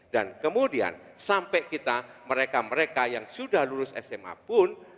dan kemudian sampai kita mereka mereka yang sudah lulus sma pun